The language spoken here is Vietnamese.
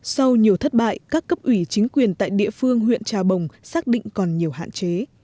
sau nhiều thất bại các cấp ủy chính quyền tại địa phương huyện trà bồng xác định còn nhiều hạn chế